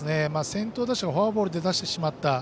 先頭打者をフォアボールで出してしまった。